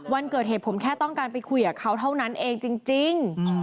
วันเกิดเหตุผมแค่ต้องการไปคุยกับเขาเท่านั้นเองจริง